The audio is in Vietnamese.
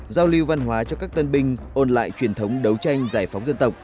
giao lưu văn hóa cho các tân binh ôn lại truyền thống đấu tranh giải phóng dân tộc